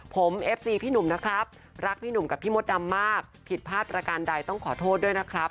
ผมเอฟซีพี่หนุ่มนะครับรักพี่หนุ่มกับพี่มดดำมากผิดพลาดประการใดต้องขอโทษด้วยนะครับ